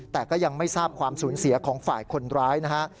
แต่ก็ยังไม่ทราบความสูญเสียของฝ่ายคนร้ายนะฮะ